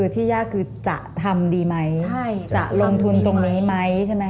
ที่ยากว่าเฝ้ามันคงจะทำดีไหม